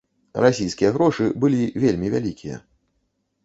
Расійскія грошы былі вельмі вялікія.